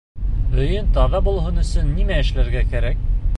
Өйөң таҙа булһын өсөн нимә эшләргә кәрәк?